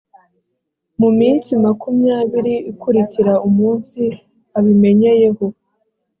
mu minsi makumyabiri ikurikira umunsi abimenyeyeho